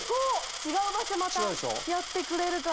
違う場所またやってくれるから。